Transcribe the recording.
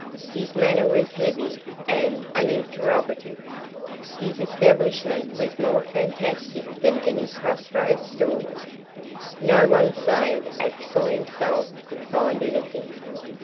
His manner was heavy and uninterrogative. His establishment was more fantastic than any cross roads store. No one save Axel himself could find anything.